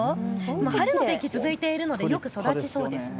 晴れの天気が続いているのでよく育ちそうですね。